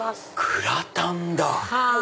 グラタンだ！かぁ！